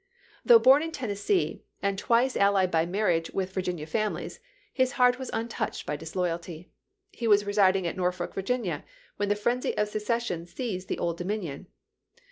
Though born in Tennessee, and twice allied by marriage with Virginia families, his heart was untouched by disloyalty. He was residing at Norfolk, Virginia, when the frenzy of secession seized the Old Domin ion.